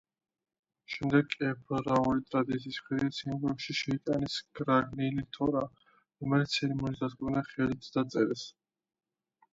შემდეგ ებრაული ტრადიციის მიხედვით სინაგოგაში შეიტანეს გრაგნილი თორა, რომელიც ცერემონიის დაწყებამდე ხელით დაწერეს.